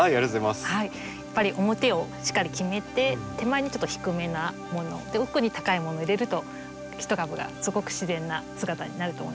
やっぱり表をしっかり決めて手前にちょっと低めなものを奥に高いものを入れると１株がすごく自然な姿になると思います。